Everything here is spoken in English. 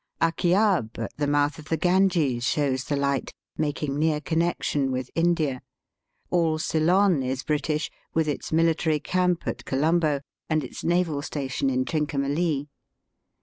Akyab, at the mouth of the Ganges, showa the Hght, making near connection with India^ All Ceylon is British, with its military camp at Colombo, and its naval station in Trin comalee.